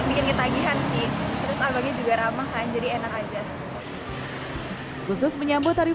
lagi tagihan sih terus alami juga ramah kan jadi enak aja khusus menyambut hari